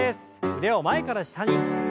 腕を前から下に。